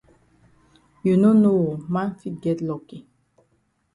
You no know oo man fit get lucky.